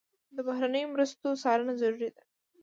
د بهرنیو مرستو څارنه ضروري ده.